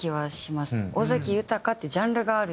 尾崎豊ってジャンルがあるような。